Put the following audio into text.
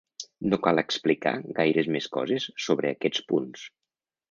No cal explicar gaires més coses sobre aquests punts.